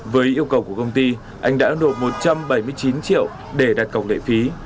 với yêu cầu của công ty anh đã nộp một trăm bảy mươi chín triệu để đặt cổng lệ phí